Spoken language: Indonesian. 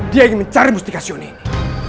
dia yang mencari mustika sion ini